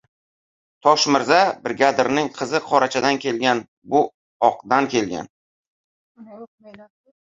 — Toshmirza brigadirning qizi qorachadan kelgan, bu okdan kelgan!